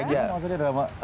kajian maksudnya drama